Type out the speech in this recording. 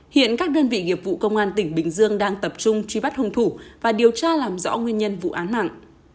hiện các đơn vị nghiệp vụ công an tỉnh bình dương đang tập trung truy bắt hung thủ và điều tra làm rõ nguyên nhân vụ án mạng